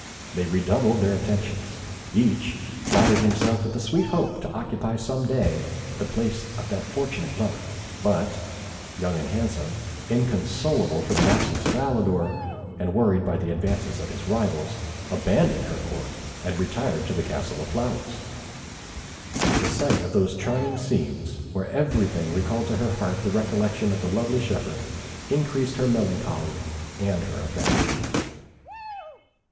They redoubled their attentions. Each flattered himself with the sweet hope to occupy some day the place of that fortunate lover; but Young and Handsome, inconsolable for the absence of Alidor, and worried by the advances of his rivals, abandoned her Court, and retired to the Castle of Flowers. The sight of those charming scenes, where everything recalled to her heart the recollection of the lovely shepherd, increased her melancholy and her affection.